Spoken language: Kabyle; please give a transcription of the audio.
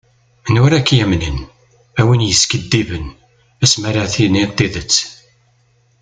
Anwa ara ak-yamnen, a win yeskiddiben, asmi ara d-tiniḍ tidet.